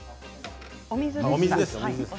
お水ですね。